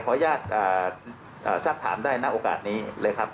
ขออนุญาตทรัพย์ถามได้ณโอกาสนี้เลยครับ